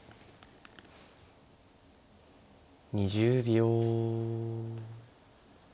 ２０秒。